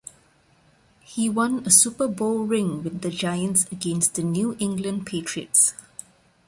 He won a Super Bowl ring with the Giants against the New England Patriots.